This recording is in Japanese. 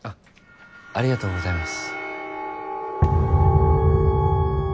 ありがとうございます。